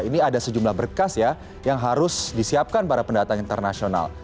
ini ada sejumlah berkas ya yang harus disiapkan para pendatang internasional